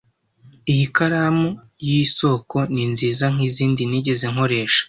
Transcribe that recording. Iyi karamu yisoko ninziza nkizindi nigeze nkoresha.